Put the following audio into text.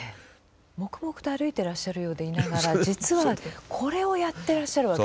黙々と歩いてらっしゃるようでいながら実はこれをやってらっしゃるわけですね。